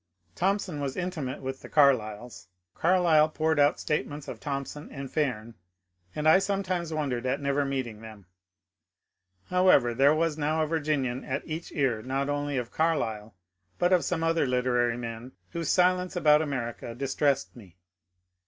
Thompson was intimate with the Carlyles. Carlyle poured out statements of Thompson and Fairn, and I some times wondered at never meeting them. However, there was now a Virginian at each ear not only of Carlyle but of some other literary men whose silence about America distressed me.